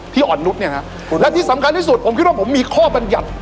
ที่อ่อนรุปเนี่ยฮะและที่สำคัญที่สูจน์ผมคิดว่าผมมีข้อบัญญัติ